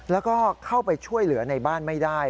แล้วก็เข้าไปช่วยเหลือในบ้านไม่ได้